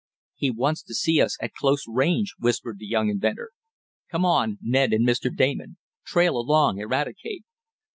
"He wants to see us at close range," whispered the young inventor. "Come on, Ned and Mr. Damon. Trail along, Eradicate."